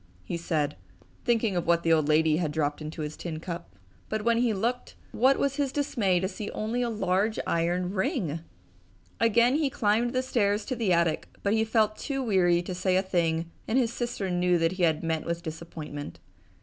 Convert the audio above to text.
he said, thinking of what the old lady had dropped into his tin cup. But when he looked, what was his dismay to see only a large iron ring! Again he climbed the stairs to the attic but he felt too weary to say a thing and his sister knew that he had met with disappointment.